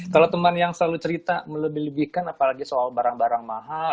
kalau teman yang selalu cerita melebih lebihkan apalagi soal barang barang mahal